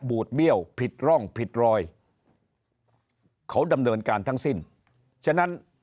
ดเบี้ยวผิดร่องผิดรอยเขาดำเนินการทั้งสิ้นฉะนั้น